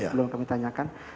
belum kami tanyakan